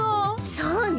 そうね